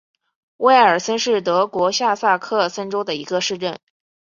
乌埃尔森是德国下萨克森州的一个市镇。